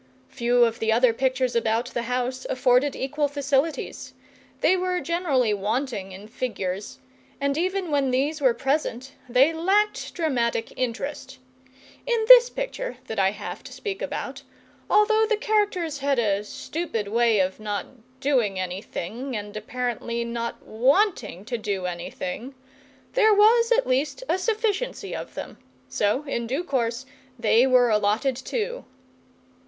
Few of the other pictures about the house afforded equal facilities. They were generally wanting in figures, and even when these were present they lacked dramatic interest. In this picture that I have to speak about, although the characters had a stupid way of not doing anything, and apparently not wanting to do anything, there was at least a sufficiency of them; so in due course they were allotted, too.